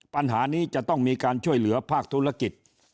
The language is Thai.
ปัญหานี้จะต้องมีการช่วยเหลือภาคธุรกิจ